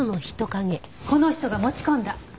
この人が持ち込んだ。